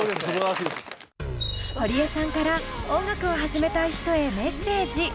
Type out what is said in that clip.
堀江さんから音楽を始めたい人へメッセージ。